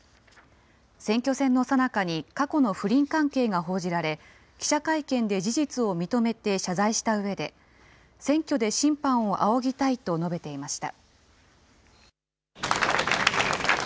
選挙戦のさなかに過去の不倫関係が報じられ、記者会見で事実を認めて謝罪したうえで、選挙で審判を仰ぎたいと述べていました。